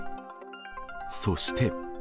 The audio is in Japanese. そして。